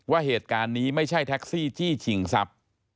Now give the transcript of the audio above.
ว่าเหตุการณ์นี้ไม่ใช่แท็กซี่จี้ชิงทรัพย์